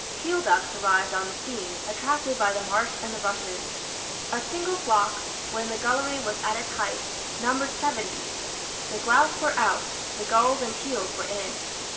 Teal ducks arrived on the scene, attracted by the marsh and the rushes. A single flock, when the gullery was at its height, numbered seventy. The grouse were out, the gulls and teals were in.